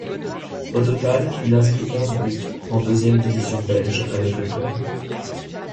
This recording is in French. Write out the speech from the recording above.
Au total, il inscrit onze buts en deuxième division belge avec le club.